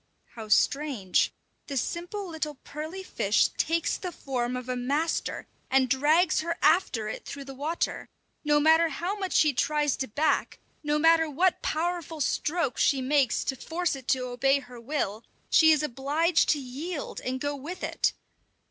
How strange! The simple little pearly fish takes the form of a master, and drags her after it through the water; no matter how much she tries to back, no matter what powerful strokes she makes to force it to obey her will, she is obliged to yield and go with it.